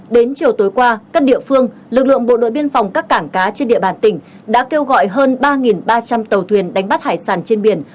đến chiều tối qua các địa phương lực lượng bộ đội biên phòng các cảng cá trên địa bàn tỉnh đã kêu gọi hơn ba ba trăm linh tàu thuyền đánh bắt hải sản trên biển